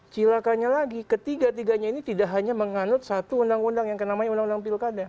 cilakanya lagi ketiga tiganya ini tidak hanya menganut satu undang undang yang namanya undang undang pilkada